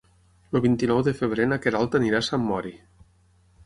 El vint-i-nou de febrer na Queralt anirà a Sant Mori.